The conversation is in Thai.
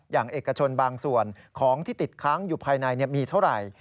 เอกชนบางส่วนของที่ติดค้างอยู่ภายในมีเท่าไหร่